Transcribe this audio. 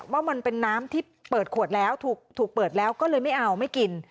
ว่ามันเป็นน้ำที่เปิดขวดแล้วถูกเปิดแล้วก็เลยไม่เอาไม่กิน